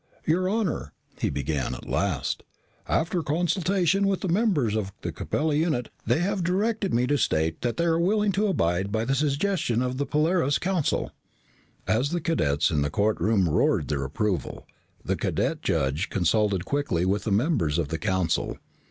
"Your honor," he began at last, "after consultation with the members of the Capella unit, they have directed me to state that they are willing to abide by the suggestion of the Polaris counsel." As the cadets in the courtroom roared their approval, the cadet judge consulted quickly with the members of the Council.